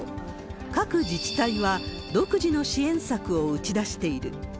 各自治体は独自の支援策を打ち出している。